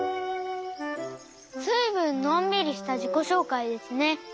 ずいぶんのんびりしたじこしょうかいですね。